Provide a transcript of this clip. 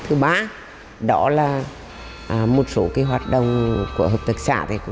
thứ ba đó là một số hoạt động của hợp tác xã